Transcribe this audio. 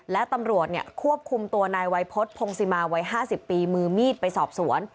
และตำรวจเนี่ยควบคุมตัวนายวัยพลพงศิมาวัยห้าสิบปีมือมีดไปสอบสวน